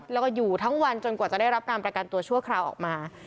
แล้วก็อยู่ทั้งวันจนกว่าจะได้รับการประกันตัวชั่วคราวออกมา